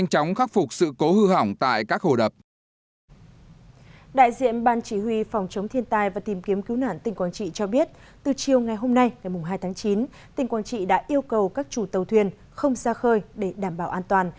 công điện yêu cầu ban chỉ huy phòng chống thiên tai và tìm kiếm cứu nạn các địa phương chủ động theo dõi chặt chẽ diễn biến